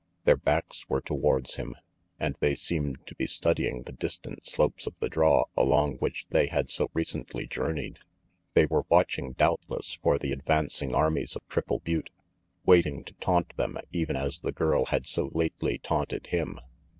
Their backs were towards him, and they seemed to be studying the distant slopes of the draw along which they had so recently journeyed. They were watching, doubtless, for the advancing armies of Triple Butte, waiting to taunt them even as the girl had so lately taunted him.